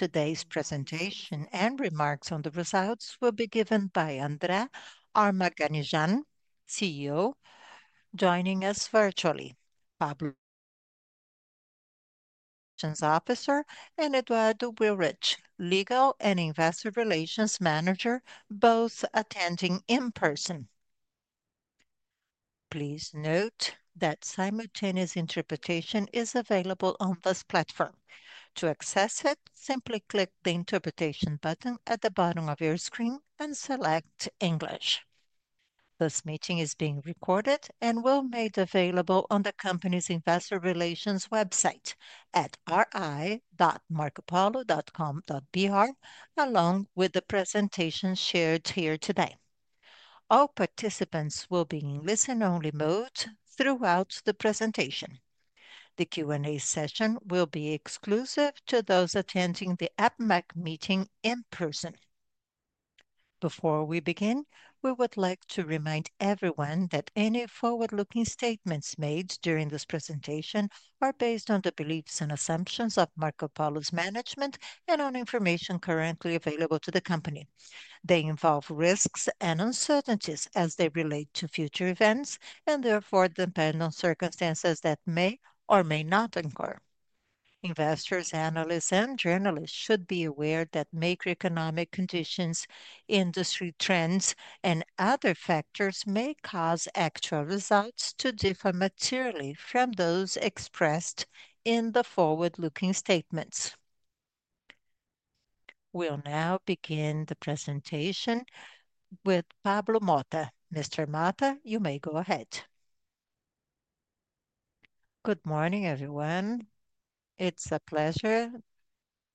Today's presentation and remarks on the results will be given by André Armaganijan, CEO, joining us virtually, Pablo, Operations Officer, and Eduardo Willrich, Legal and Investor Relations Manager, both attending in person. Please note that simultaneous interpretation is available on this platform. To access it, simply click the Interpretation button at the bottom of your screen and select English. This meeting is being recorded and will be made available on the company's Investor Relations website at ri.marcopolo.com.br, along with the presentation shared here today. All participants will be in listen-only mode throughout the presentation. The Q&A session will be exclusive to those attending the APIMEC meeting in person. Before we begin, we would like to remind everyone that any forward-looking statements made during this presentation are based on the beliefs and assumptions of Marcopolo's management and on information currently available to the company. They involve risks and uncertainties as they relate to future events and therefore depend on circumstances that may or may not occur. Investors, analysts, and journalists should be aware that macroeconomic conditions, industry trends, and other factors may cause actual results to differ materially from those expressed in the forward-looking statements. We'll now begin the presentation with Pablo Motta. Mr. Motta, you may go ahead. Good morning, everyone. It's a pleasure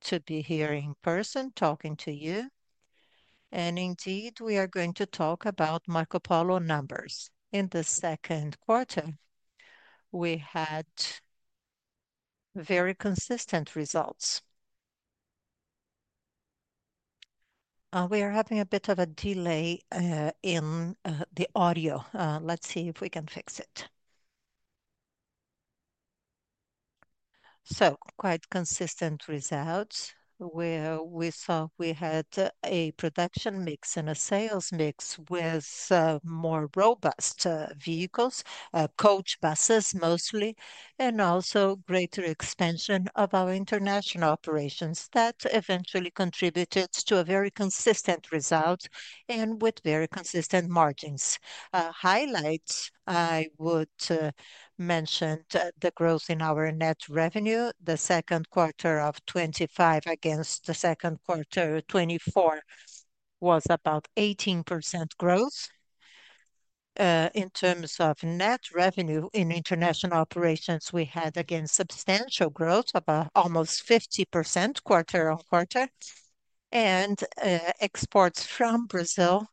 to be here in person talking to you. Indeed, we are going to talk about Marcopolo numbers in the second quarter. We had very consistent results. We are having a bit of a delay in the audio. Let's see if we can fix it. Quite consistent results. We saw we had a production mix and a sales mix with more robust vehicles, coach buses mostly, and also greater expansion of our international operations that eventually contributed to a very consistent result and with very consistent margins. Highlights, I would mention the growth in our net revenue. The second quarter of 2025 against the second quarter of 2024 was about 18% growth. In terms of net revenue in international operations, we had, again, substantial growth of almost 50% quarter-on-quarter. Exports from Brazil,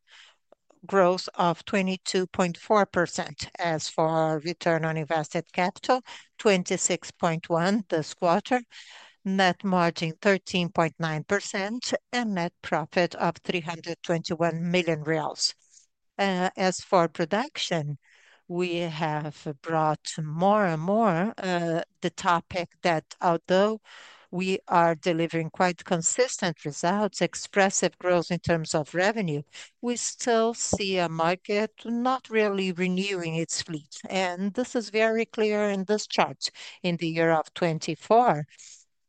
growth of 22.4%. As for our return on invested capital, 26.1% this quarter, net margin 13.9%, and net profit of 321 million reais. As for production, we have brought more and more the topic that although we are delivering quite consistent results, expressive growth in terms of revenue, we still see a market not really renewing its fleet. This is very clear in this chart. In the year of 2024,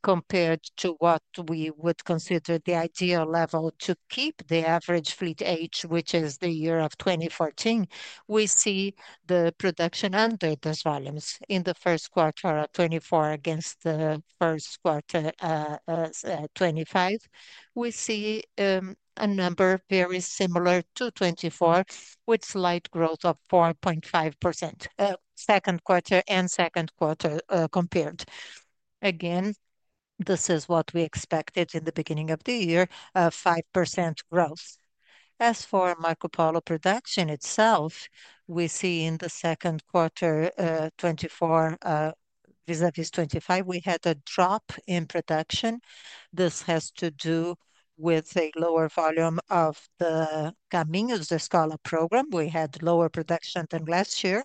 compared to what we would consider the ideal level to keep the average fleet age, which is the year of 2014, we see the production under those volumes in the first quarter of 2024 against the first quarter of 2025. We see a number very similar to 2024, with slight growth of 4.5% second quarter and second quarter compared. This is what we expected in the beginning of the year, a 5% growth. As for Marcopolo production itself, we see in the second quarter of 2024, vis-à-vis 2025, we had a drop in production. This has to do with a lower volume of the Caminho de Escola program. We had lower production than last year.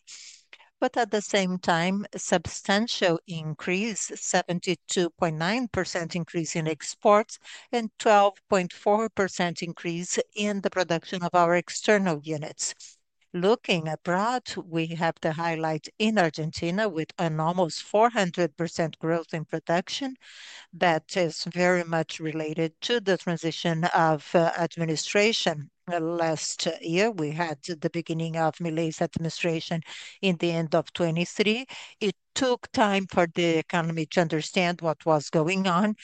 At the same time, a substantial increase, 72.9% increase in exports and 12.4% increase in the production of our external units. Looking abroad, we have the highlight in Argentina with an almost 400% growth in production. That is very much related to the transition of administration. Last year, we had the beginning of Milei's administration in the end of 2023. It took time for the economy to understand what was going on.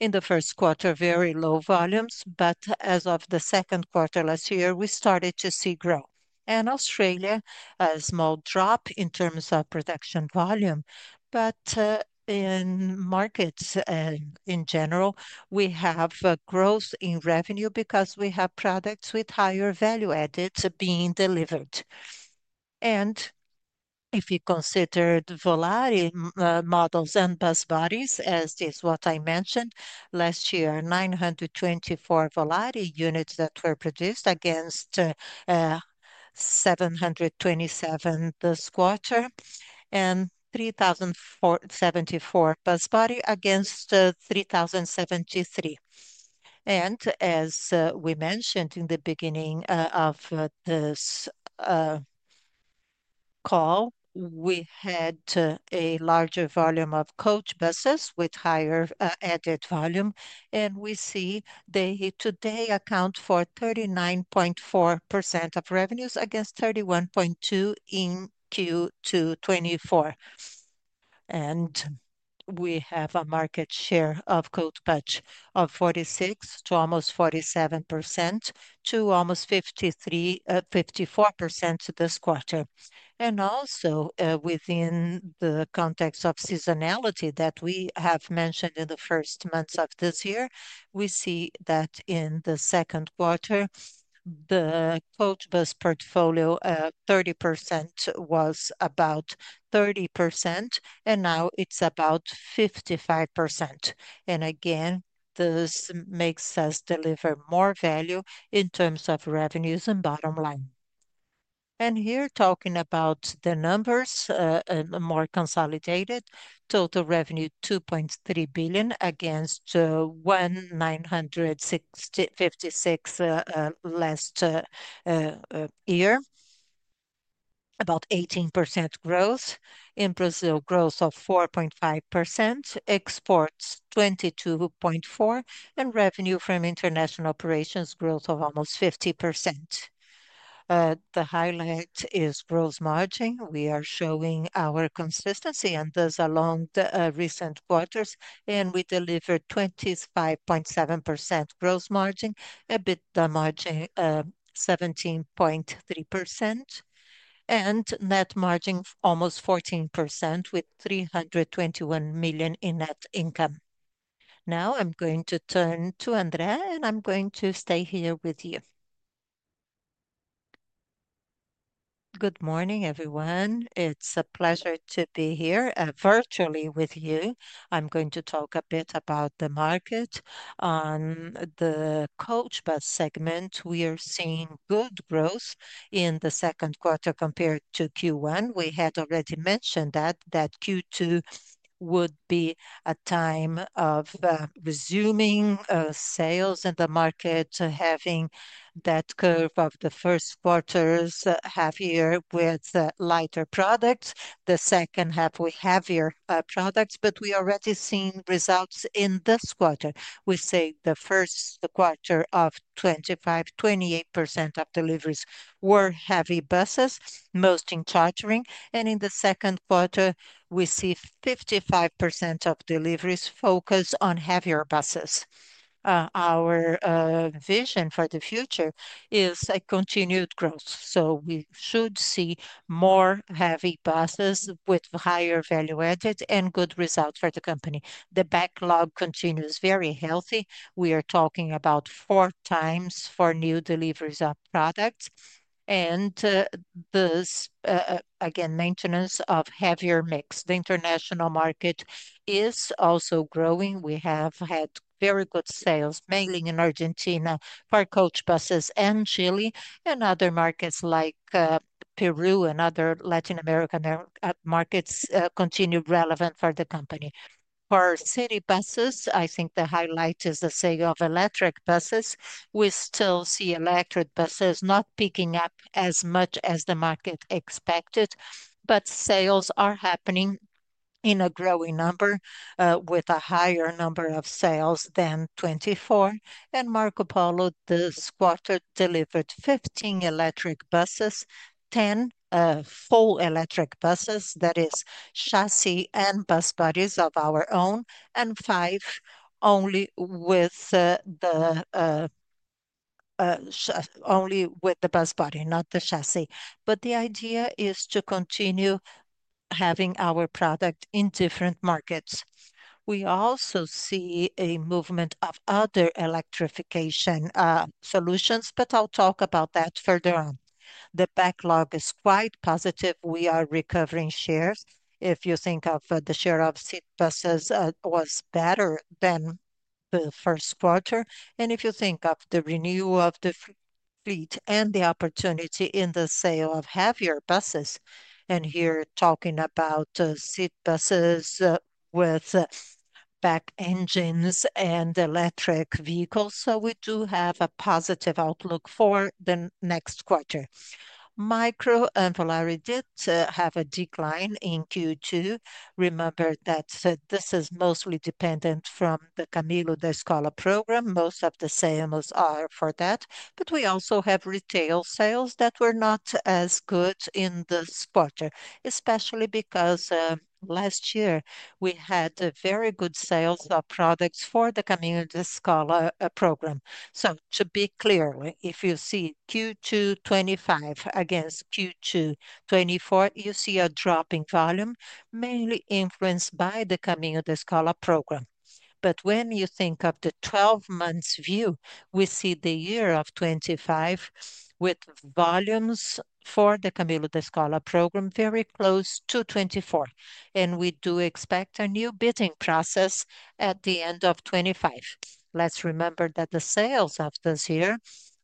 In the first quarter, very low volumes, but as of the second quarter last year, we started to see growth. In Australia, a small drop in terms of production volume. In markets and in general, we have growth in revenue because we have products with higher value added being delivered. If you consider the Volare models and bus bodies, as is what I mentioned last year, 924 Volare units that were produced against 727 this quarter and 3,074 bus bodies against 3,073. As we mentioned in the beginning of this call, we had a larger volume of coach buses with higher added volume. We see they today account for 39.4% of revenues against 31.2% in Q2 2024. We have a market share of coach buses of 46% to almost 47% to almost 54% this quarter. Within the context of seasonality that we have mentioned in the first months of this year, we see that in the second quarter, the coach bus portfolio was about 30%, and now it's about 55%. This makes us deliver more value in terms of revenues and bottom line. Here, talking about the numbers, a more consolidated total revenue 2.3 billion against 1.956 billion last year, about 18% growth. In Brazil, growth of 4.5%, exports 22.4%, and revenue from international operations growth of almost 50%. The highlight is gross margin. We are showing our consistency and those along the recent quarters, and we delivered 25.7% gross margin, EBITDA margin 17.3%, and net margin almost 14% with 321 million in net income. Now, I'm going to turn to André, and I'm going to stay here with you. Good morning, everyone. It's a pleasure to be here virtually with you. I'm going to talk a bit about the market. On the coach bus segment, we are seeing good growth in the second quarter compared to Q1. We had already mentioned that Q2 would be a time of resuming sales in the market, having that curve of the first quarter's half year with lighter products. The second half, we have heavier products, but we are already seeing results in this quarter. We say the first quarter of 25%, 28% of deliveries were heavy buses, most in chartering. In the second quarter, we see 55% of deliveries focused on heavier buses. Our vision for the future is a continued growth. We should see more heavy buses with higher value added and good results for the company. The backlog continues very healthy. We are talking about four months for new deliveries of products. This, again, maintenance of heavier mix. The international market is also growing. We have had very good sales, mainly in Argentina for coach buses and Chile, and other markets like Peru and other Latin American markets continue relevant for the company. For city buses, I think the highlight is the sale of electric buses. We still see electric buses not picking up as much as the market expected, but sales are happening in a growing number with a higher number of sales than 2024. Marcopolo, this quarter, delivered 15 electric buses, 10 full electric buses, that is chassis and bus bodies of our own, and 5 only with the bus body, not the chassis. The idea is to continue having our product in different markets. We also see a movement of other electrification solutions, but I'll talk about that further on. The backlog is quite positive. We are recovering shares. If you think of the share of city buses, it was better than the first quarter. If you think of the renewal of the fleet and the opportunity in the sale of heavier buses, and here talking about city buses with back engines and electric vehicles, we do have a positive outlook for the next quarter. Micro and Volare did have a decline in Q2. Remember that this is mostly dependent on the Caminho de Escola program. Most of the sales are for that. We also have retail sales that were not as good in this quarter, especially because last year we had very good sales of products for the Caminho de Escola program. To be clear, if you see Q2 2025 against Q2 2024, you see a drop in volume, mainly influenced by the Caminho de Escola program. When you think of the 12 months view, we see the year of 2025 with volumes for the Caminho de Escola program very close to 2024. We do expect a new bidding process at the end of 2025. Let's remember that the sales of this year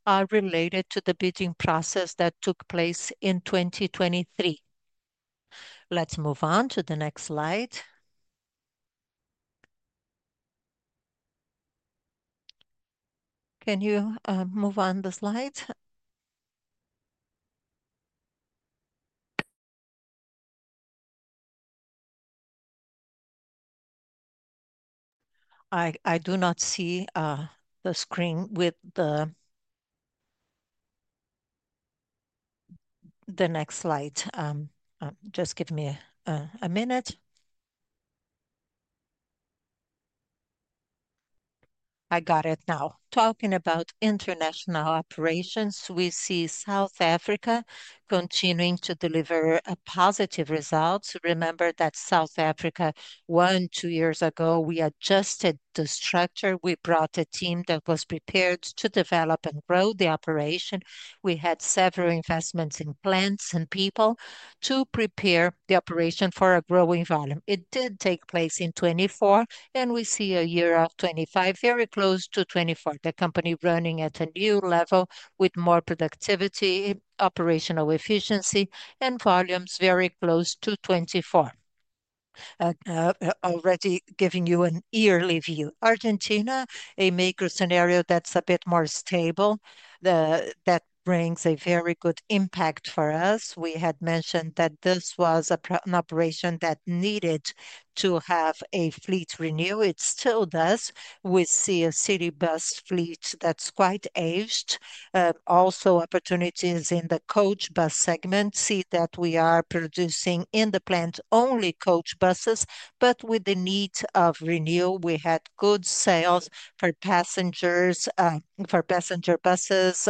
are related to the bidding process that took place in 2023. Let's move on to the next slide. Can you move on the slide? I do not see the screen with the next slide. Just give me a minute. I got it now. Talking about international operations, we see South Africa continuing to deliver positive results. Remember that South Africa, one or two years ago, we adjusted the structure. We brought a team that was prepared to develop and grow the operation. We had several investments in plants and people to prepare the operation for a growing volume. It did take place in 2024, and we see a year of 2025 very close to 2024, the company running at a new level with more productivity, operational efficiency, and volumes very close to 2024. Already giving you an earlier view, Argentina, a market scenario that's a bit more stable, brings a very good impact for us. We had mentioned that this was an operation that needed to have a fleet renewal. It still does. We see a city bus fleet that's quite aged. There are also opportunities in the coach bus segment. We are producing in the plant only coach buses, but with the need of renewal. We had good sales for passenger buses,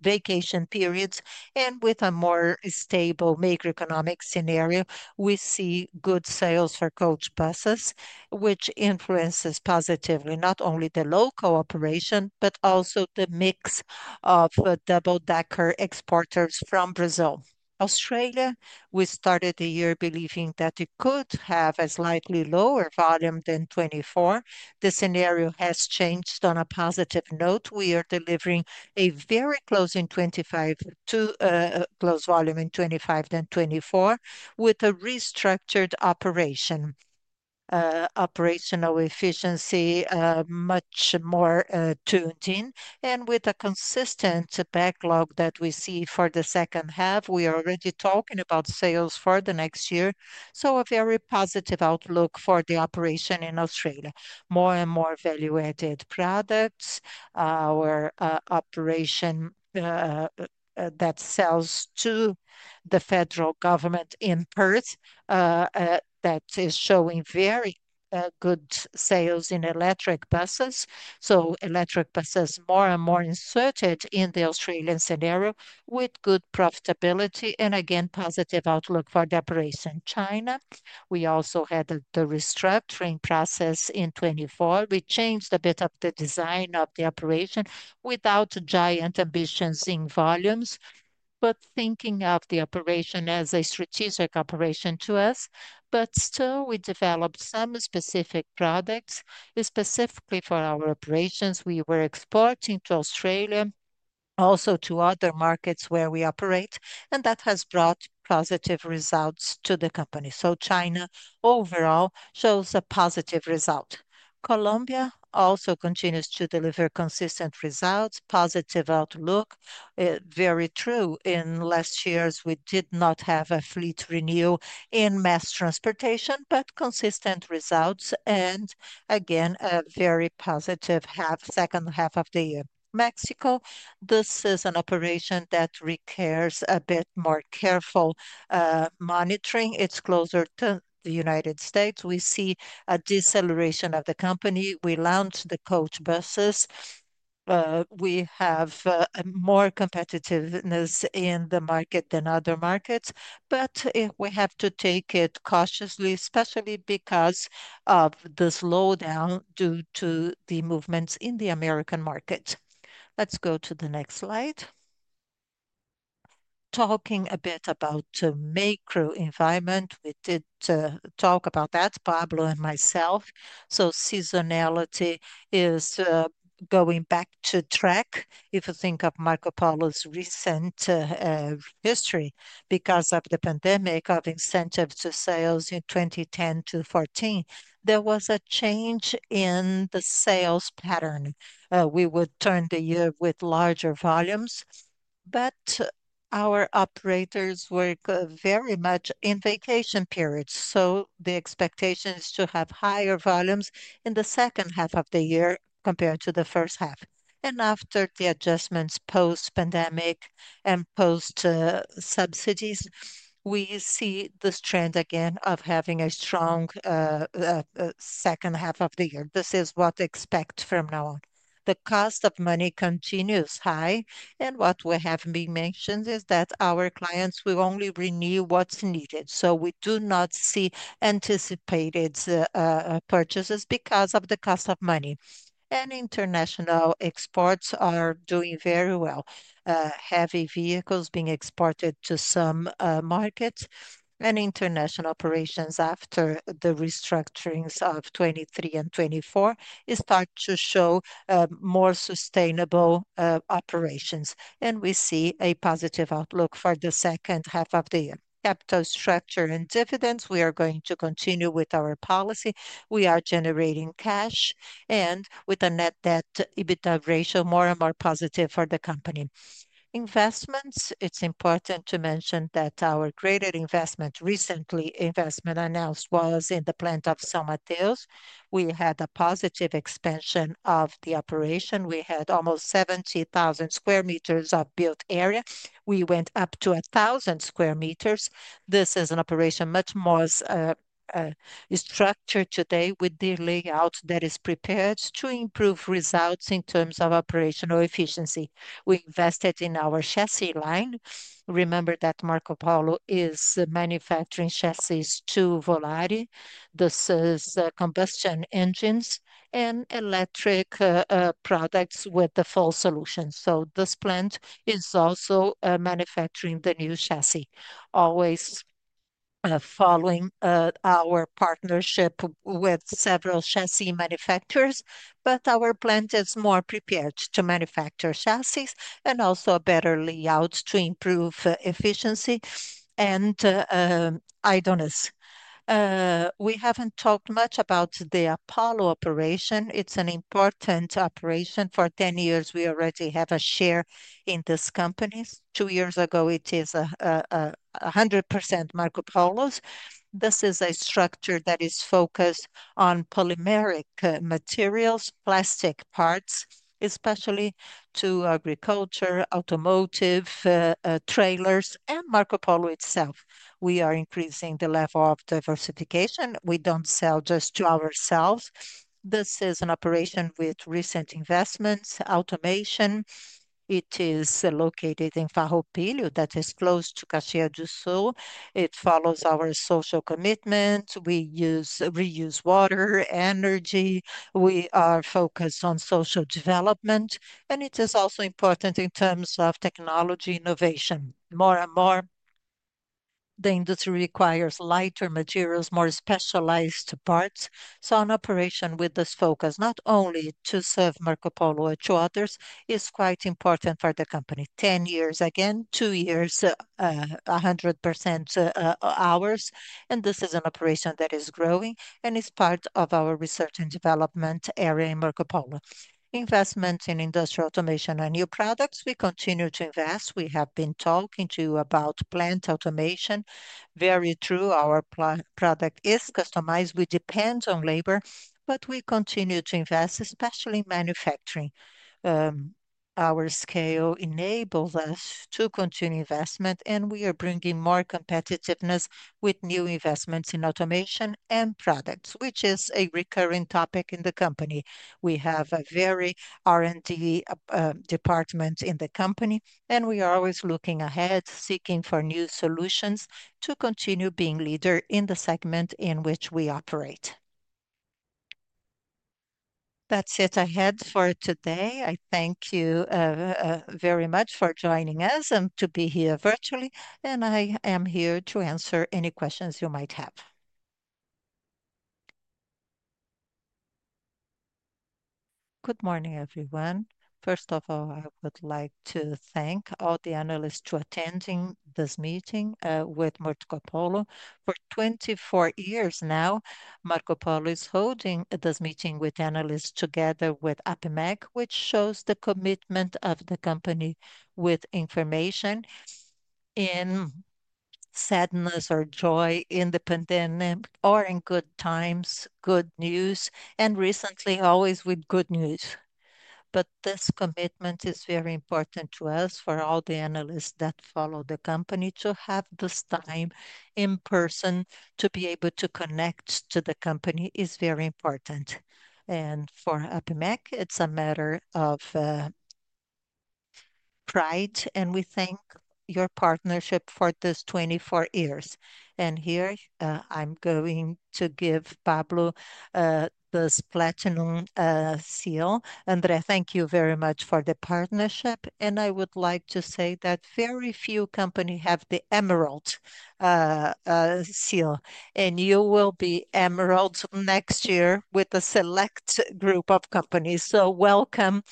vacation periods, and with a more stable macroeconomic scenario, we see good sales for coach buses, which influences positively not only the local operation, but also the mix of double-decker exporters from Brazil. Australia, we started the year believing that it could have a slightly lower volume than 2024. The scenario has changed on a positive note. We are delivering a very close volume in 2025 to 2024, with a restructured operation. Operational efficiency is much more tuned in, and with a consistent backlog that we see for the second half, we are already talking about sales for the next year. A very positive outlook for the operation in Australia. More and more value-added products. Our operation that sells to the federal government in Perth is showing very good sales in electric buses. Electric buses are more and more inserted in the Australian scenario with good profitability, and again, positive outlook for the operation in China. We also had the restructuring process in 2024. We changed a bit of the design of the operation without giant ambitions in volumes, but thinking of the operation as a strategic operation to us. Still, we developed some specific products specifically for our operations. We were exporting to Australia, also to other markets where we operate, and that has brought positive results to the company. China overall shows a positive result. Colombia also continues to deliver consistent results, positive outlook. Very true. In last years, we did not have a fleet renewal in mass transportation, but consistent results, and again, a very positive second half of the year. Mexico, this is an operation that requires a bit more careful monitoring. It's closer to the United States. We see a deceleration of the company. We launched the coach buses. We have more competitiveness in the market than other markets, but we have to take it cautiously, especially because of the slowdown due to the movements in the American market. Let's go to the next slide. Talking a bit about the macro environment, we did talk about that, Pablo and myself. Seasonality is going back to track. If you think of Marcopolo's recent history, because of the pandemic, of incentives to sales in 2010 to 2014, there was a change in the sales pattern. We would turn the year with larger volumes, but our operators work very much in vacation periods. The expectation is to have higher volumes in the second half of the year compared to the first half. After the adjustments post-pandemic and post-subsidies, we see this trend again of having a strong second half of the year. This is what to expect from now on. The cost of money continues high, and what we have been mentioning is that our clients will only renew what's needed. We do not see anticipated purchases because of the cost of money. International exports are doing very well. Heavy vehicles are being exported to some markets and international operations after the restructurings of 2023 and 2024 start to show more sustainable operations. We see a positive outlook for the second half of the year. Capital structure and dividends, we are going to continue with our policy. We are generating cash and with a net debt/EBITDA ratio more and more positive for the company. Investments, it's important to mention that our greater investment, recently investment announced, was in the plant of São Mateus. We had a positive expansion of the operation. We had almost 70,000 square meters of built area. We went up to 1,000 square meters. This is an operation much more structured today with the layout that is prepared to improve results in terms of operational efficiency. We invested in our chassis line. Remember that Marcopolo. is manufacturing chassis to Volare. This is combustion engines and electric products with the full solution. This plant is also manufacturing the new chassis. Always following our partnership with several chassis manufacturers, our plant is more prepared to manufacture chassis and also a better layout to improve efficiency and idleness. We haven't talked much about the Apollo operation. It's an important operation. For 10 years, we already have a share in this company. Two years ago, it is 100% Marcopolo's. This is a structure that is focused on polymeric materials, plastic parts, especially to agriculture, automotive, trailers, and Marcopolo. itself. We are increasing the level of diversification. We don't sell just to ourselves. This is an operation with recent investments, automation. It is located in Farroupilha that is close to Caxias do Sul. It follows our social commitment. We reuse water, energy. We are focused on social development, and it is also important in terms of technology innovation. More and more, the industry requires lighter materials, more specialized parts. An operation with this focus, not only to serve Marcopolo. or to others, is quite important for the company. 10 years, again, two years, 100% ours, and this is an operation that is growing and is part of our research and development area in Marcopolo. Investment in industrial automation and new products, we continue to invest. We have been talking to you about plant automation. Very true, our product is customized. We depend on labor, but we continue to invest, especially in manufacturing. Our scale enables us to continue investment, and we are bringing more competitiveness with new investments in automation and products, which is a recurring topic in the company. We have a very R&D department in the company, and we are always looking ahead, seeking for new solutions to continue being a leader in the segment in which we operate. That's it I had for today. I thank you very much for joining us and to be here virtually, and I am here to answer any questions you might have. Good morning, everyone. First of all, I would like to thank all the analysts attending this meeting with Marcopolo. For 24 years now, Marcopolo. is holding this meeting with analysts together with APIMEC, which shows the commitment of the company with information in sadness or joy, in the pandemic or in good times, good news, and recently always with good news. This commitment is very important to us for all the analysts that follow the company to have this time in person to be able to connect to the company is very important. For APIMEC, it's a matter of pride, and we thank your partnership for this 24 years. Here, I'm going to give Pablo this platinum seal. André, thank you very much for the partnership, and I would like to say that very few companies have the emerald seal, and you will be emeralds next year with a select group of companies. Welcome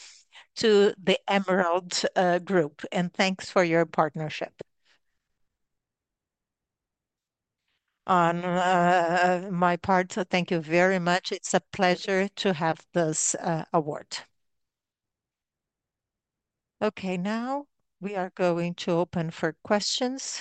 to the emerald group, and thanks for your partnership. On my part, thank you very much. It's a pleasure to have this award. Okay, now we are going to open for questions.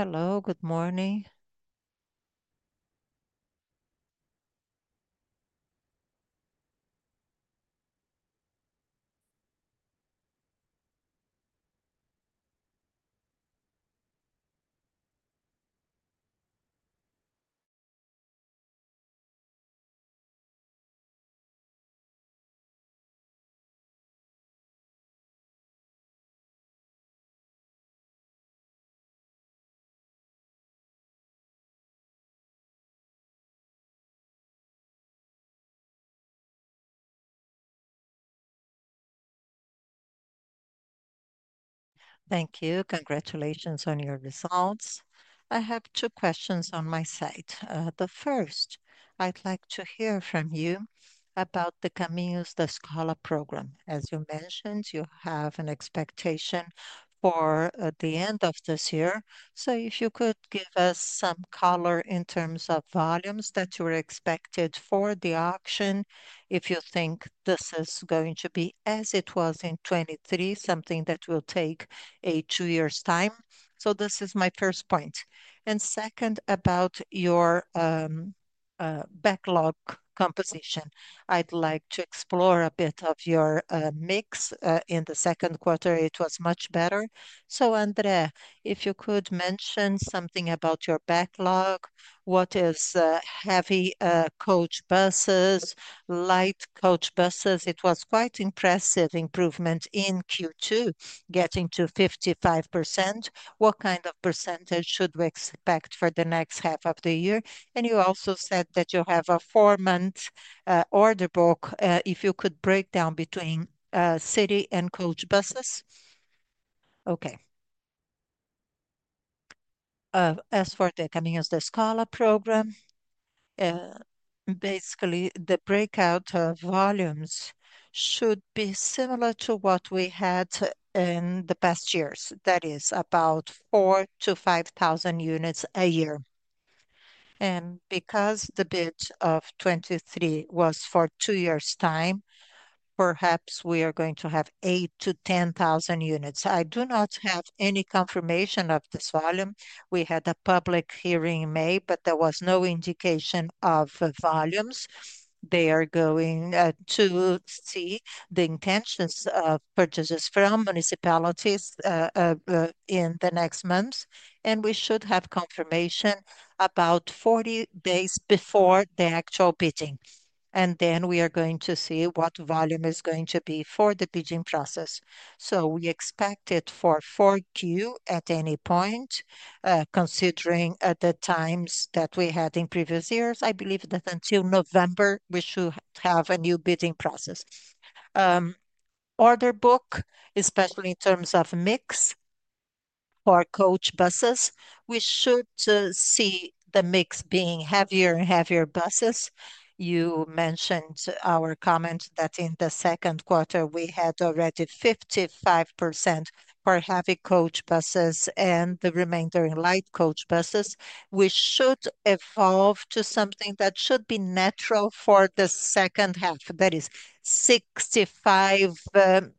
Hello, good morning. Thank you. Congratulations on your results. I have two questions on my side. The first, I'd like to hear from you about the Caminho de Escola program. As you mentioned, you e the end of this year. If you could give us some color in terms of volumes that you were expected for the auction, if you think this is going to be as it was in 2023, something that will take a two-year time. This is my first point. Second, about your backlog composition, I'd like to explore a bit of your mix in the second quarter. It was much better. André, if you could mention something about your backlog, what is heavy coach buses, light coach buses? It was quite impressive improvement in Q2, getting to 55%. What kind of percentage should we expect for the next half of the year? You also said that you have a four-month order book. If you could break down between city and coach buses. As for the Caminho de Escola program, basically, the breakout volumes should be similar to what we had in the past years. That is about 4,000 to 5,000 units a year. Because the bid of 2023 was for two years' time, perhaps we are going to have 8,000 to 10,000 units. I do not have any confirmation of this volume. We had a public hearing in May, but there was no indication of volumes. They are going to see the intentions of purchases from municipalities in the next months, and we should have confirmation about 40 days before the actual bidding. We are going to see what volume is going to be for the bidding process. We expect it for 4Q at any point, considering the times that we had in previous years. I believe that until November, we should have a new bidding process. Order book, especially in terms of mix for coach buses, we should see the mix being heavier and heavier buses. You mentioned our comment that in the second quarter, we had already 55% for heavy coach buses and the remainder in light coach buses. We should evolve to something that should be natural for the second half. That is 65%,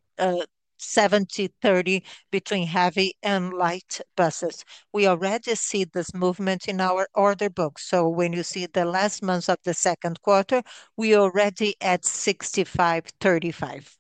70%, 30% between heavy and light buses. We already see this movement in our order book. When you see the last months of the second quarter, we already at 65%, 35%.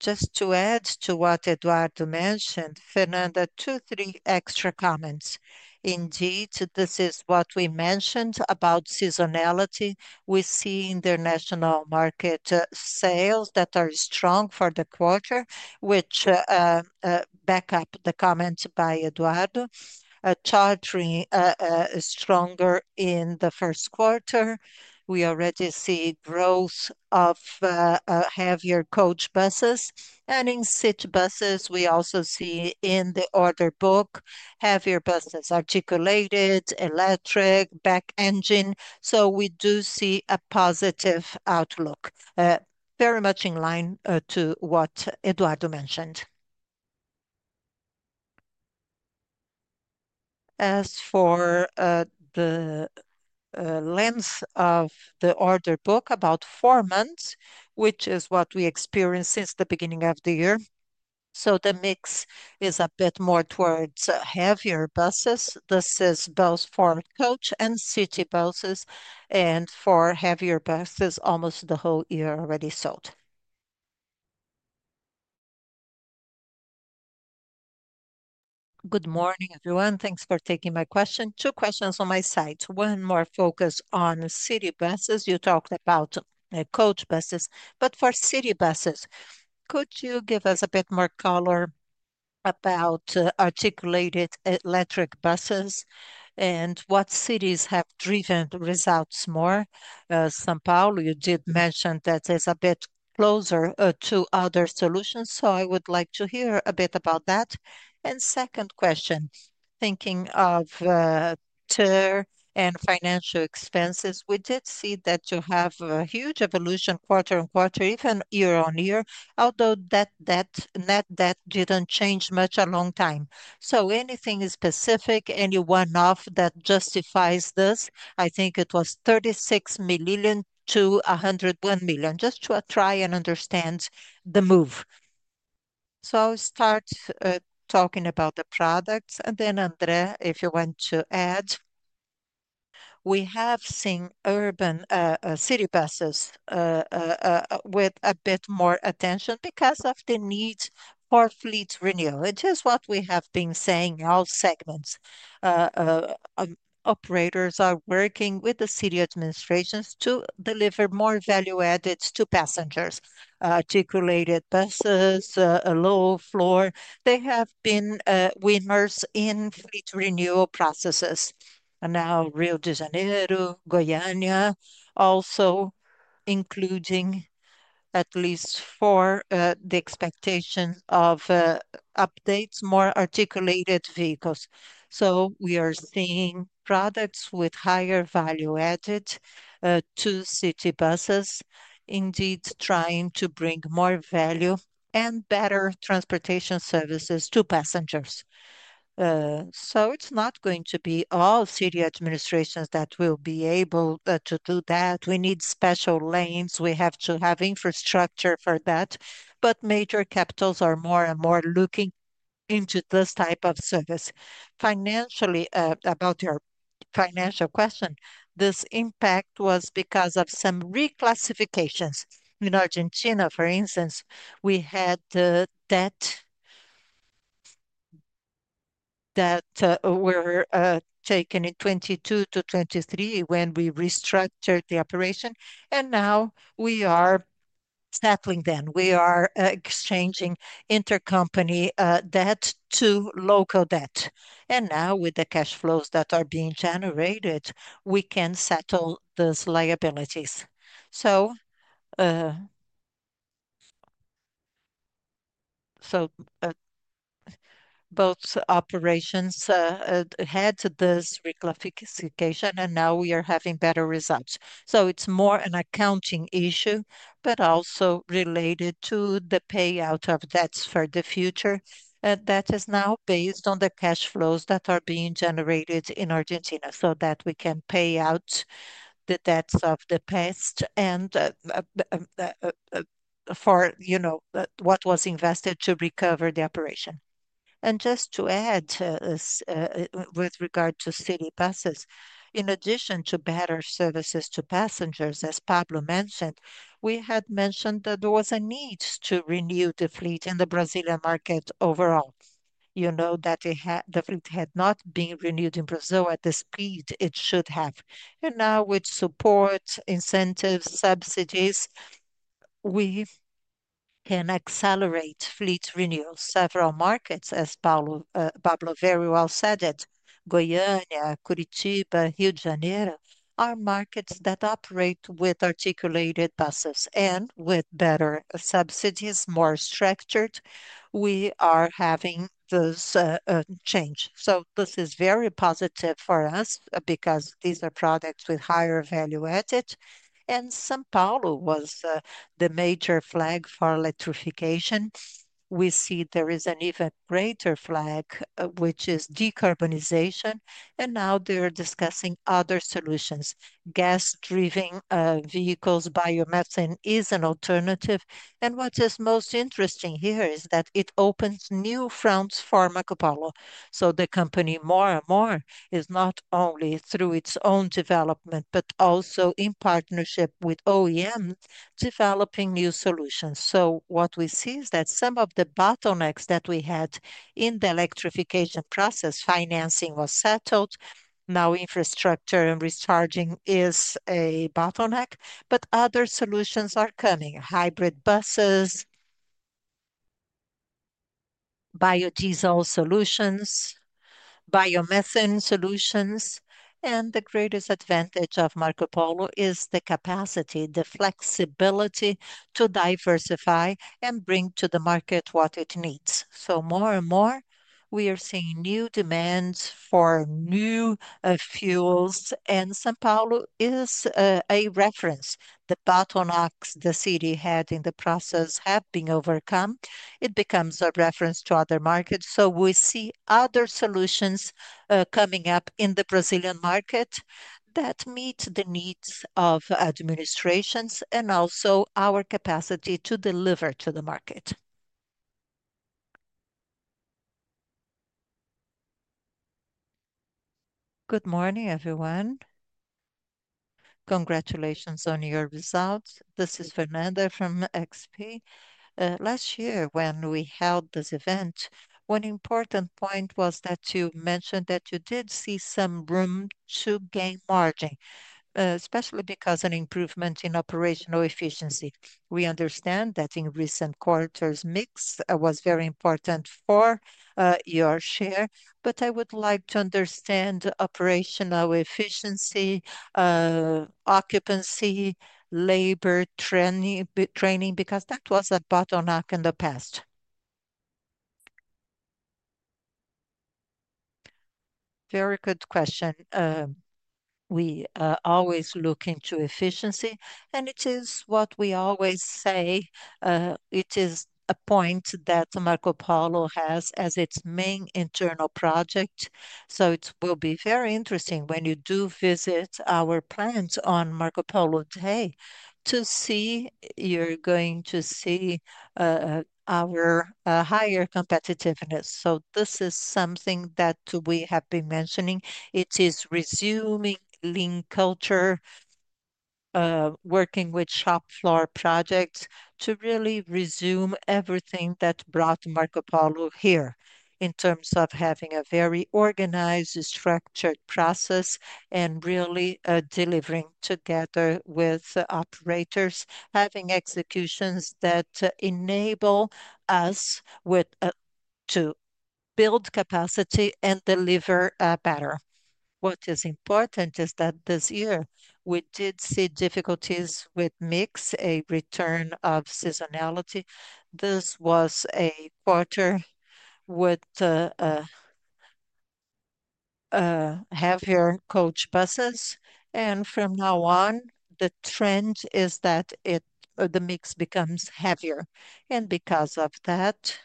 Just to add to what Eduardo mentioned, Fernanda, two, three extra comments. Indeed, this is what we mentioned about seasonality. We see international market sales that are strong for the quarter, which back up the comments by Eduardo. Chartering is stronger in the first quarter. We already see growth of heavier coach buses. In seat buses, we also see in the order book heavier buses articulated, electric, back engine. We do see a positive outlook, very much in line to what Eduardo mentioned. As for the length of the order book, about four months, which is what we experienced since the beginning of the year. The mix is a bit more towards heavier buses. This is both for coach and city buses, and for heavier buses, almost the whole year already sold. Good morning, everyone. Thanks for taking my question. Two questions on my side. One more focused on city buses. You talked about coach buses, but for city buses, could you give us a bit more color about articulated electric buses and what cities have driven results more? São Paulo, you did mention that it's a bit closer to other solutions, so I would like to hear a bit about that. Second question, thinking of TIR and financial expenses, we did see that you have a huge evolution quarter-on-quarter, even year on year, although that net debt didn't change much a long time. Is there anything specific, any one-off that justifies this? I think it was $36 million to $101 million, just to try and understand the move. I'll start talking about the products. André, if you want to add, we have seen urban city buses with a bit more attention because of the need for fleet renewal. It is what we have been saying in all segments. Operators are working with the city administrations to deliver more value added to passengers. Articulated buses, a low floor, they have been winners in fleet renewal processes. Now, Rio de Janeiro, Goiânia, also including at least for the expectation of updates, more articulated vehicles. We are seeing products with higher value added to city buses, indeed trying to bring more value and better transportation services to passengers. It is not going to be all city administrations that will be able to do that. We need special lanes. We have to have infrastructure for that. Major capitals are more and more looking into this type of service. About your financial question, this impact was because of some reclassifications in Argentina. For instance, we had the debt that were taken in 2022 to 2023 when we restructured the operation, and now we are settling them. We are exchanging intercompany debt to local debt. With the cash flows that are being generated, we can settle those liabilities. Both operations had this reclassification, and now we are having better results. It is more an accounting issue, but also related to the payout of debts for the future. That is now based on the cash flows that are being generated in Argentina so that we can pay out the debts of the past and for what was invested to recover the operation. Just to add with regard to city buses, in addition to better services to passengers, as Pablo mentioned, we had mentioned that there was a need to renew the fleet in the Brazilian market overall. You know that the fleet had not been renewed in Brazil at the speed it should have. Now, with support, incentives, subsidies, we can accelerate fleet renewals. Several markets, as Pablo very well said, Goiânia, Curitiba, Rio de Janeiro, are markets that operate with articulated buses and with better subsidies, more structured. We are having this change. This is very positive for us because these are products with higher value added. São Paulo was the major flag for electrification. We see there is an even greater flag, which is decarbonization, and now they are discussing other solutions. Gas-driven vehicles, biomethane is an alternative. What is most interesting here is that it opens new fronts for Marcopolo. The company more and more is not only through its own development, but also in partnership with OEM developing new solutions. What we see is that some of the bottlenecks that we had in the electrification process, financing was settled. Now, infrastructure and recharging is a bottleneck, but other solutions are coming: hybrid buses, biodiesel solutions, biomethane solutions. The greatest advantage of Marcopolo is the capacity, the flexibility to diversify and bring to the market what it needs. More and more, we are seeing new demands for new fuels, and São Paulo is a reference. The bottlenecks the city had in the process have been overcome. It becomes a reference to other markets. We see other solutions coming up in the Brazilian market that meet the needs of administrations and also our capacity to deliver to the market. Good morning, everyone. Congratulations on your results. This is Fernanda from XP. Last year, when we held this event, one important point was that you mentioned that you did see some room to gain margin, especially because of an improvement in operational efficiency. We understand that in recent quarters, mix was very important for your share, but I would like to understand operational efficiency, occupancy, labor, training, because that was a bottleneck in the past. Very good question. We always look into efficiency, and it is what we always say. It is a point that Marcopolo has as its main internal project. It will be very interesting when you do visit our plants on Marcopolo Day to see you're going to see our higher competitiveness. This is something that we have been mentioning. It is resuming lean culture, working with shop floor projects to really resume everything that brought Marcopolo here in terms of having a very organized, structured process and really delivering together with operators, having executions that enable us to build capacity and deliver better. What is important is that this year we did see difficulties with mix, a return of seasonality. This was a quarter with heavier coach buses, and from now on, the trend is that the mix becomes heavier. Because of that,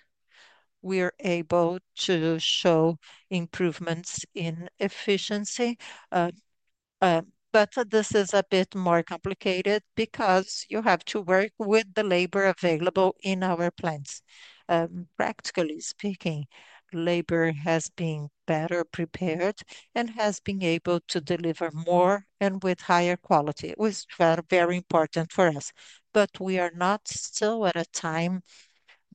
we're able to show improvements in efficiency. This is a bit more complicated because you have to work with the labor available in our plants. Practically speaking, labor has been better prepared and has been able to deliver more and with higher quality, which is very important for us. We are not still at a time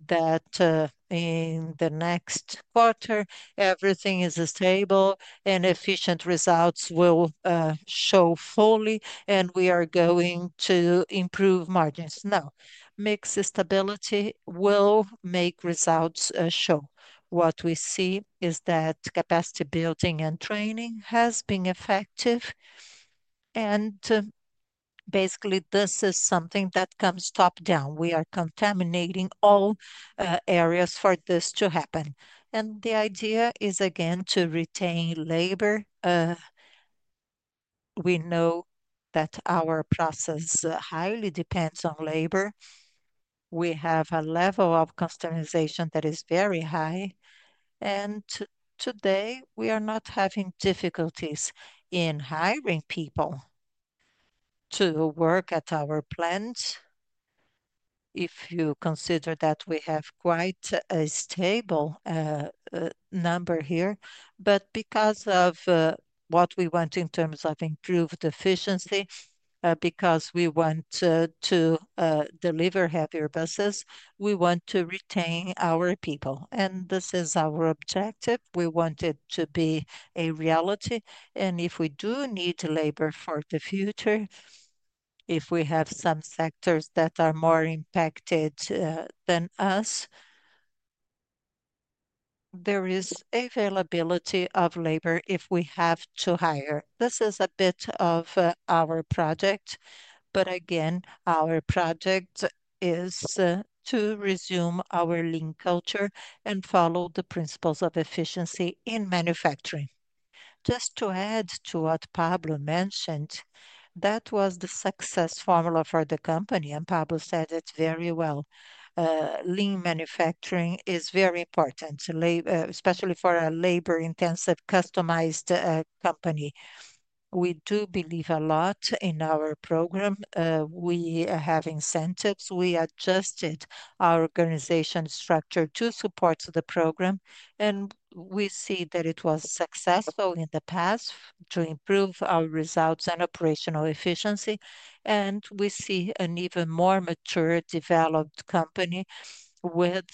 that in the next quarter, everything is stable and efficient results will show fully, and we are going to improve margins. No, mix stability will make results show. What we see is that capacity building and training has been effective, and basically, this is something that comes top down. We are contaminating all areas for this to happen. The idea is, again, to retain labor. We know that our process highly depends on labor. We have a level of customization that is very high, and today, we are not having difficulties in hiring people to work at our plant if you consider that we have quite a stable number here. Because of what we want in terms of improved efficiency, because we want to deliver heavier buses, we want to retain our people. This is our objective. We want it to be a reality, and if we do need labor for the future, if we have some sectors that are more impacted than us, there is availability of labor if we have to hire. This is a bit of our project, but again, our project is to resume our lean culture and follow the principles of efficiency in manufacturing. Just to add to what Pablo mentioned, that was the success formula for the company, and Pablo said it very well. Lean manufacturing is very important, especially for a labor-intensive, customized company. We do believe a lot in our program. We have incentives. We adjusted our organization structure to support the program, and we see that it was successful in the past to improve our results and operational efficiency. We see an even more mature, developed company with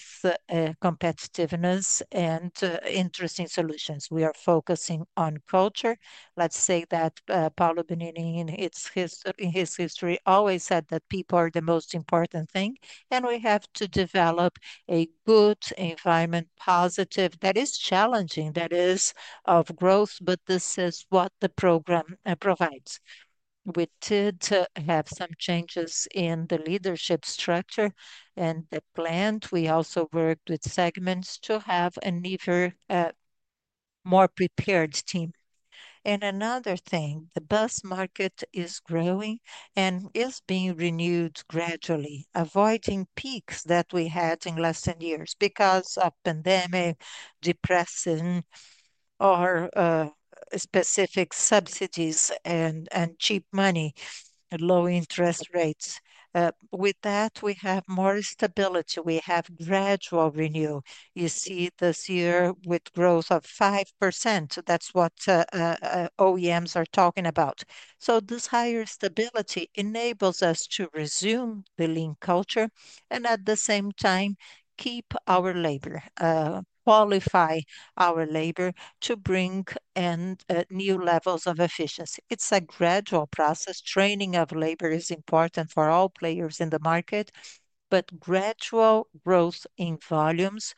competitiveness and interesting solutions. We are focusing on culture. Let's say that Paolo Benigni, in his history, always said that people are the most important thing, and we have to develop a good environment, positive, that is challenging, that is of growth, but this is what the program provides. We did have some changes in the leadership structure and the plant. We also worked with segments to have an even more prepared team. Another thing, the bus market is growing and is being renewed gradually, avoiding peaks that we had in less than years because of pandemic, depression, or specific subsidies and cheap money, low interest rates. With that, we have more stability. We have gradual renewal. You see this year with growth of 5%. That's what OEMs are talking about. This higher stability enables us to resume the lean culture and at the same time keep our labor, qualify our labor to bring in new levels of efficiency. It's a gradual process. Training of labor is important for all players in the market, but gradual growth in volumes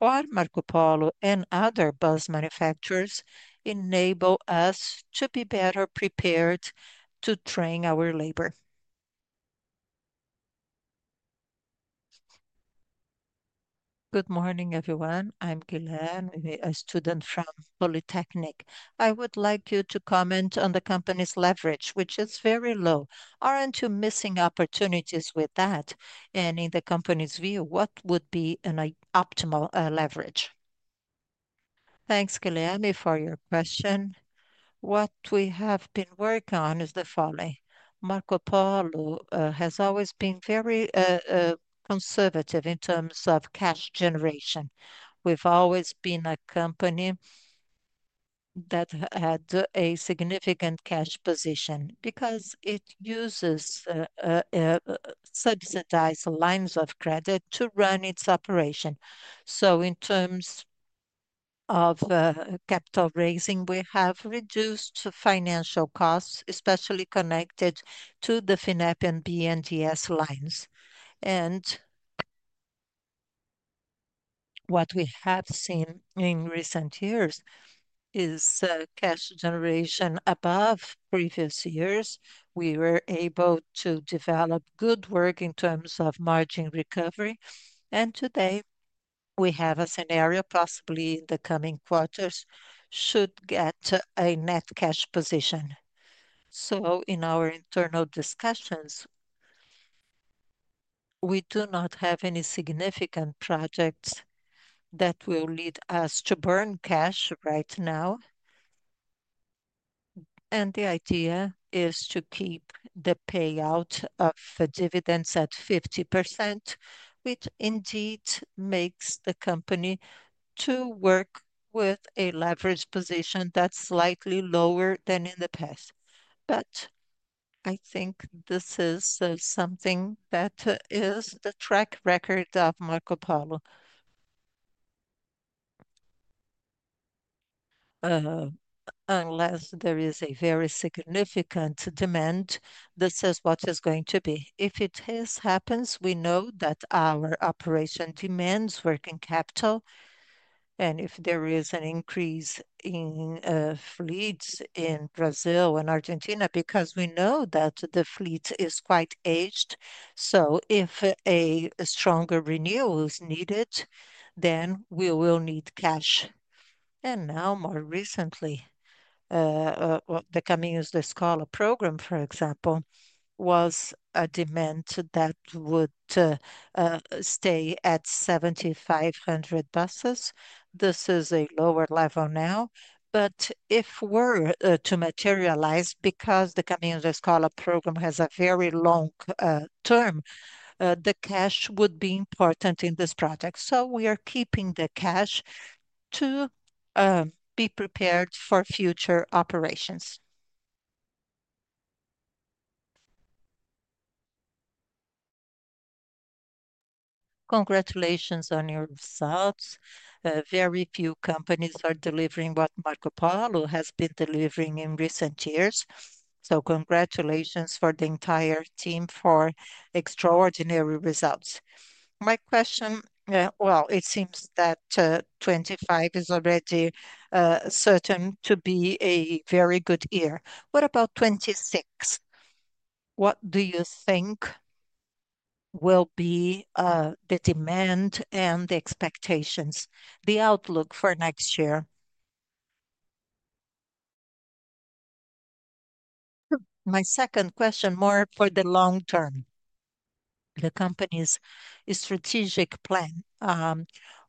or Marcopolo and other bus manufacturers enable us to be better prepared to train our labor. Good morning, everyone. I'm Ghiliani, a student from Polytechnic. I would like you to comment on the company's leverage, which is very low. Aren't you missing opportunities with that? In the company's view, what would be an optimal leverage? Thanks, Ghiliani, for your question. What we have been working on is the following. Marcopolo has always been very conservative in terms of cash generation. We've always been a company that had a significant cash position because it uses subsidized lines of credit to run its operation. In terms of capital raising, we have reduced financial costs, especially connected to the FINEP and BNDES lines. What we have seen in recent years is cash generation above previous years. We were able to develop good work in terms of margin recovery. Today, we have a scenario where possibly the coming quarters should get a net cash position. In our internal discussions, we do not have any significant projects that will lead us to burn cash right now. The idea is to keep the payout of dividends at 50%, which indeed makes the company work with a leverage position that's slightly lower than in the past. I think this is something that is the track record of Marcopolo Unless there is a very significant demand, this is what it is going to be. If it happens, we know that our operation demands working capital. If there is an increase in fleets in Brazil and Argentina, because we know that the fleet is quite aged, if a stronger renewal is needed, then we will need cash. More recently, the Caminho da Escola program, for example, was a demand that would stay at 7,500 buses. This is a lower level now. If it were to materialize, because the Caminho da Escola program has a very long term, the cash would be important in this project. We are keeping the cash to be prepared for future operations. Congratulations on your results. Very few companies are delivering what Marcopolo has been delivering in recent years. Congratulations to the entire team for extraordinary results. My question, it seems that 2025 is already certain to be a very good year. What about 2026? What do you think will be the demand and the expectations, the outlook for next year? My second question, more for the long term, the company's strategic plan.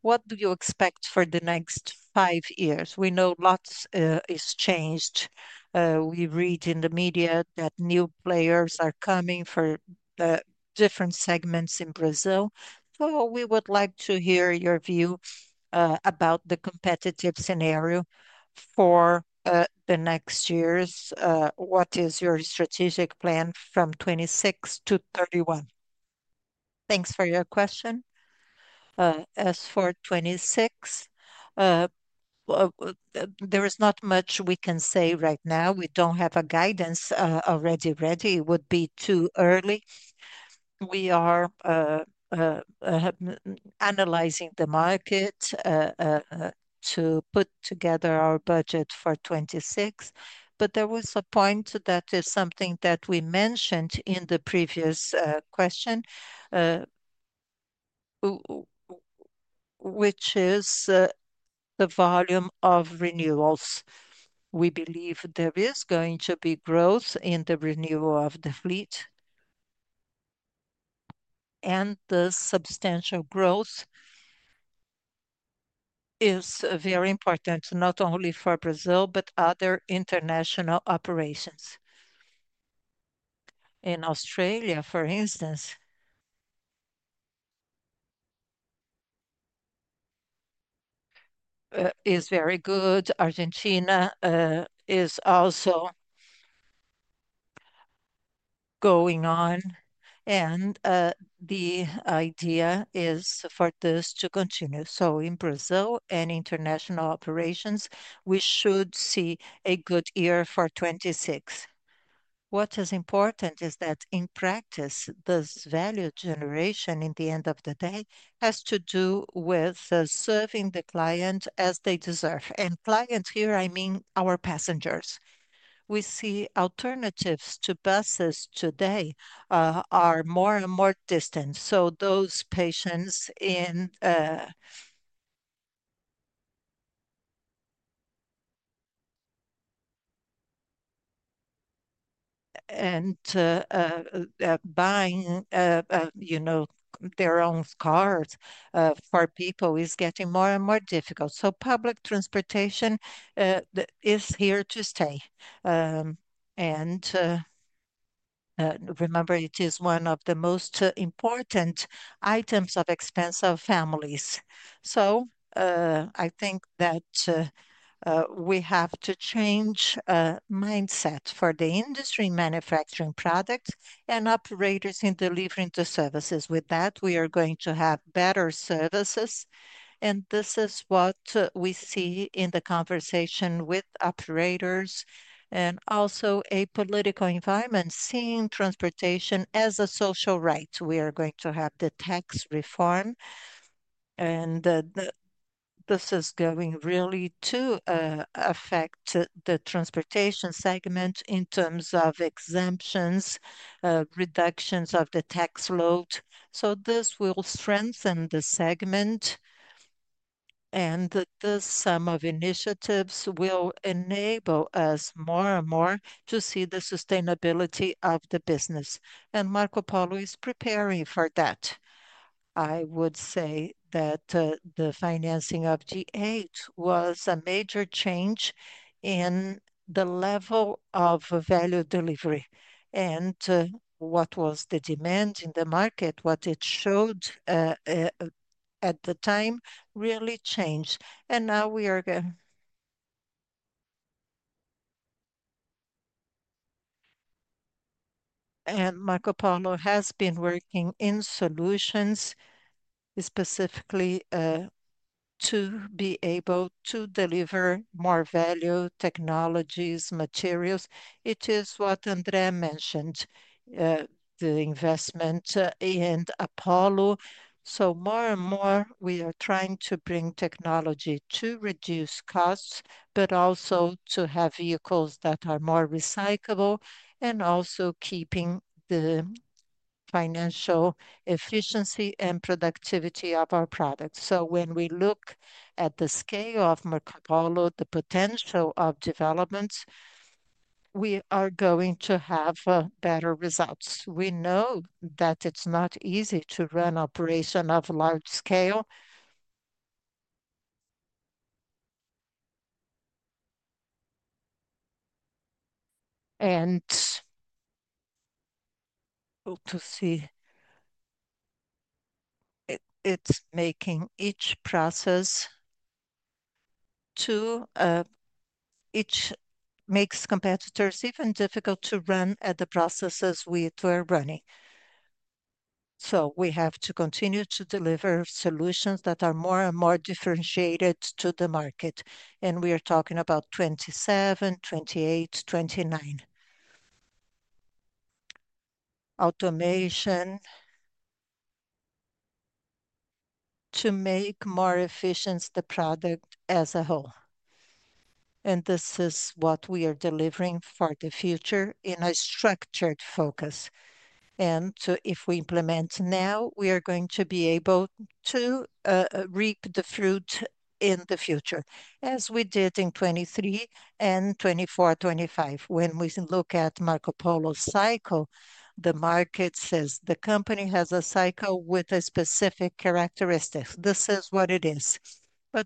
What do you expect for the next five years? We know lots have changed. We read in the media that new players are coming for different segments in Brazil. We would like to hear your view about the competitive scenario for the next years. What is your strategic plan from 2026 to 2031? Thanks for your question. As for 2026, there is not much we can say right now. We don't have a guidance already ready. It would be too early. We are analyzing the market to put together our budget for 2026. There was a point that is something that we mentioned in the previous question, which is the volume of renewals. We believe there is going to be growth in the renewal of the fleet. The substantial growth is very important, not only for Brazil, but other international operations. In Australia, for instance, is very good. Argentina is also going on. The idea is for this to continue. In Brazil and international operations, we should see a good year for 2026. What is important is that in practice, this value generation at the end of the day has to do with serving the client as they deserve. Clients here, I mean our passengers. We see alternatives to buses today are more and more distant. Those patients in and buying their own cars for people is getting more and more difficult. Public transportation is here to stay. Remember, it is one of the most important items of expense for families. I think that we have to change the mindset for the industry manufacturing products and operators in delivering the services. With that, we are going to have better services. This is what we see in the conversation with operators and also a political environment seeing transportation as a social right. We are going to have the tax reform, and this is going really to affect the transportation segment in terms of exemptions, reductions of the tax load. This will strengthen the segment, and this sum of initiatives will enable us more and more to see the sustainability of the business. Marcopolo is preparing for that. I would say that the financing of G8 was a major change in the level of value delivery. What was the demand in the market, what it showed at the time really changed. Now we are going to... Marcopolo has been working in solutions, specifically to be able to deliver more value, technologies, materials. It is what André mentioned, the investment in the Apollo unit. More and more, we are trying to bring technology to reduce costs, but also to have vehicles that are more recyclable and also keeping the financial efficiency and productivity of our products. When we look at the scale of Marcopolo, the potential of developments, we are going to have better results. We know that it's not easy to run operations of large scale. To see, it's making each process to each mix competitors even difficult to run at the processes we were running. We have to continue to deliver solutions that are more and more differentiated to the market. We are talking about 2027, 2028, 2029. Automation to make more efficient the product as a whole. This is what we are delivering for the future in a structured focus. If we implement now, we are going to be able to reap the fruit in the future, as we did in 2023 and 2024, 2025. When we look at Marcopolo's cycle, the market says the company has a cycle with a specific characteristic. This is what it is.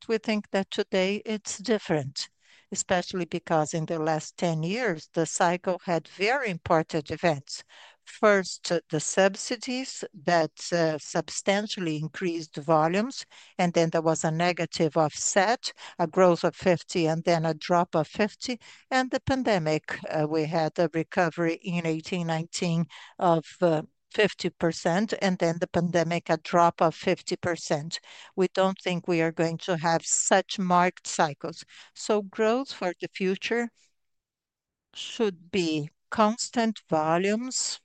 We think that today it's different, especially because in the last 10 years, the cycle had very important events. First, the subsidies that substantially increased volumes, and then there was a negative offset, a growth of 50%, and then a drop of 50%. The pandemic, we had a recovery in 2018, 2019 of 50%, and then the pandemic, a drop of 50%. We don't think we are going to have such marked cycles. Growth for the future should be constant volumes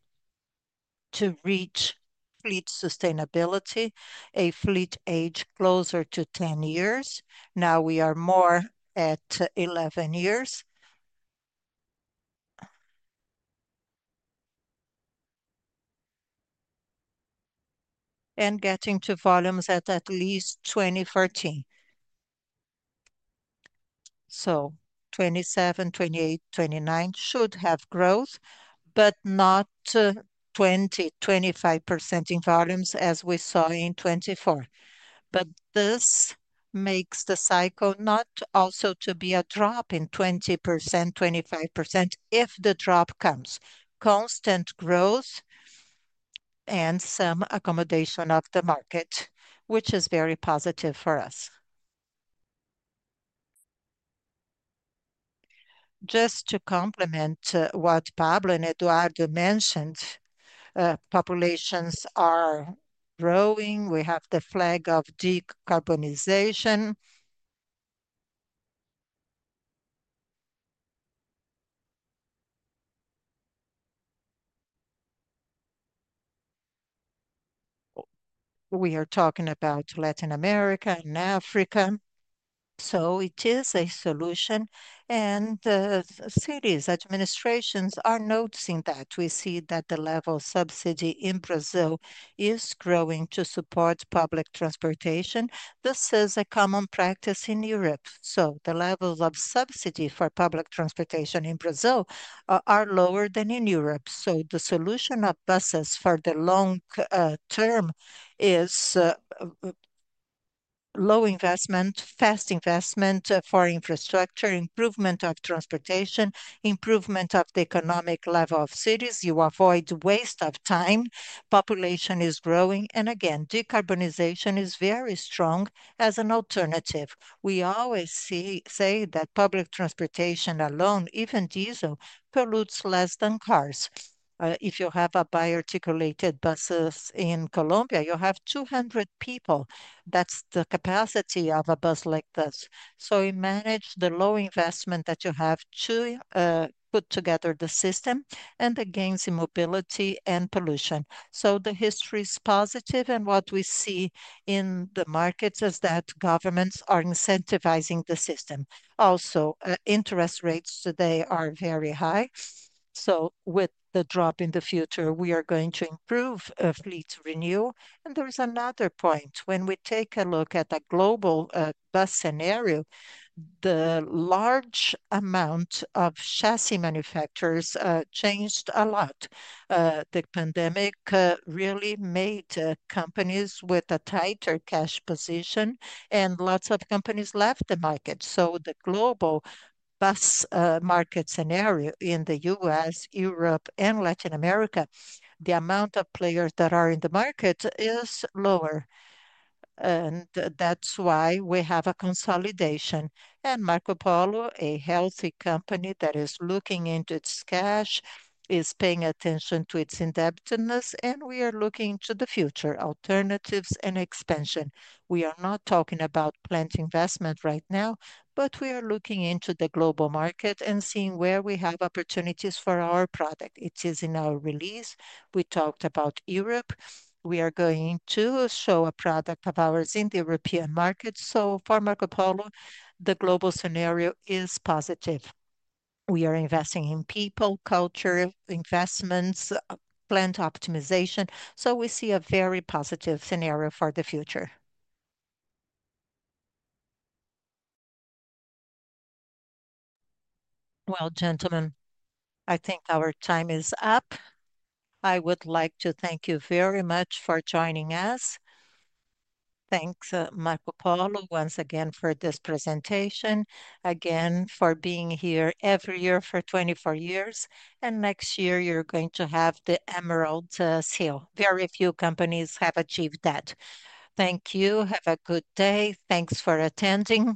to reach fleet sustainability, a fleet age closer to 10 years. Now we are more at 11 years. Getting to volumes at at least 2014. 2027, 2028, 2029 should have growth, but not 20%, 25% in volumes as we saw in 2024. This makes the cycle not also to be a drop in 20%, 25% if the drop comes. Constant growth and some accommodation of the market, which is very positive for us. Just to complement what Pablo and Eduardo mentioned, populations are growing. We have the flag of decarbonization. We are talking about Latin America and Africa. It is a solution. Cities, administrations are noticing that. We see that the level of subsidy in Brazil is growing to support public transportation. This is a common practice in Europe. The levels of subsidy for public transportation in Brazil are lower than in Europe. The solution of buses for the long term is low investment, fast investment for infrastructure, improvement of transportation, improvement of the economic level of cities. You avoid waste of time. Population is growing, and again, decarbonization is very strong as an alternative. We always say that public transportation alone, even diesel, pollutes less than cars. If you have bi-articulated buses in Colombia, you have 200 people. That's the capacity of a bus like this. You manage the low investment that you have to put together the system and against immobility and pollution. The history is positive, and what we see in the markets is that governments are incentivizing the system. Also, interest rates today are very high. With the drop in the future, we are going to improve fleet renewal. There is another point. When we take a look at the global bus scenario, the large amount of chassis manufacturers changed a lot. The pandemic really made companies with a tighter cash position, and lots of companies left the market. The global bus market scenario in the U.S., Europe, and Latin America, the amount of players that are in the market is lower. That's why we have a consolidation. Marcopolo, a healthy company that is looking into its cash, is paying attention to its indebtedness, and we are looking into the future, alternatives, and expansion. We are not talking about plant investment right now, but we are looking into the global market and seeing where we have opportunities for our product. It is in our release. We talked about Europe. We are going to show a product of ours in the European market. For Marcopolo, the global scenario is positive. We are investing in people, culture, investments, plant optimization. We see a very positive scenario for the future. I think our time is up. I would like to thank you very much for joining us. Thanks, Marcopolo, once again, for this presentation. Again, for being here every year for 24 years. Next year, you're going to have the Emerald Seal. Very few companies have achieved that. Thank you. Have a good day. Thanks for attending.